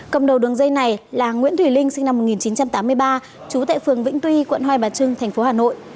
công đầu đường dây này là nguyễn thủy linh sinh năm một nghìn chín trăm tám mươi ba trú tại phường vĩnh tuy quận hoài bà trưng thành phố hà nội